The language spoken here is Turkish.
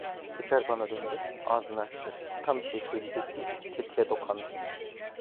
Tekrar bana döndü, ağzını açtı, tam bir şey söyleyecekti, tetiğe dokandım.